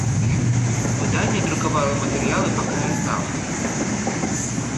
Выданне друкавала матэрыялы па краязнаўстве.